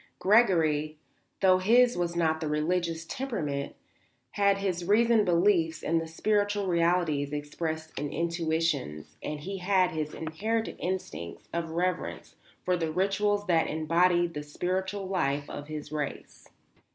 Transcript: Gregory, though his was not the religious temperament, had his reasoned beliefs in the spiritual realities expressed in institutions and he had his inherited instincts of reverence for the rituals that embodied the spiritual life of his race.